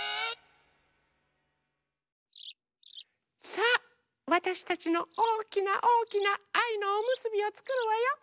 さあわたしたちのおおきなおおきなあいのおむすびをつくるわよ。